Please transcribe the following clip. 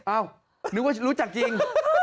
อ้าวรู้จักจริง